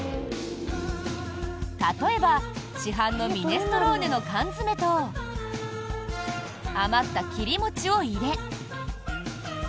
例えば市販のミネストローネの缶詰と余った切り餅を入れ。